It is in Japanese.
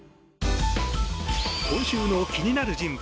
今週の気になる人物